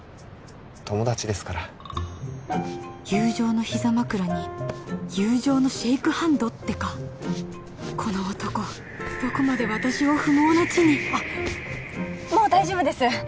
友達ですから友情の膝枕に友情のシェイクハンドってかこの男どこまで私を不毛な地にあっもう大丈夫です